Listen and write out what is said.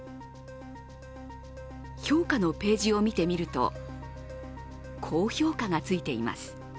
評価のページを見てみると高評価がついています。